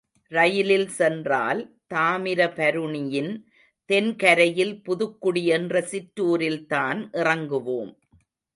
ரயிலில் சென்றால் தாமிர பருணியின் தென்கரையில் புதுக்குடி என்ற சிற்றூரில் தான் இறங்குவோம்.